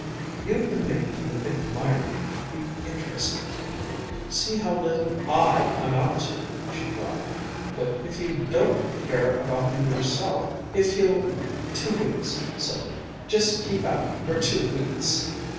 "You've been making him admire you, be interested in you, see how little I amount to!" she cried. "But if you don't care about him yourself if you'll two weeks, Sylvia just keep out for two weeks...."